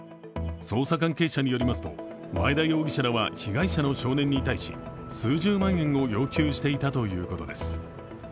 捜査関係者によりますと、前田容疑者らは被害者の少年に対し数十万円を要求していたということです。